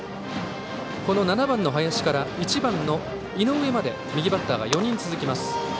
この７番の林から１番の井上まで右バッターが４人続きます。